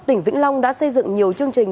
tỉnh vĩnh long đã xây dựng nhiều chương trình